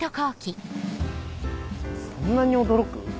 そんなに驚く？